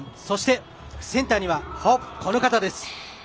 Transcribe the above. そして、センターにはこの方です。